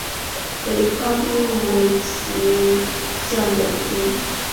北方町为岐阜县的町。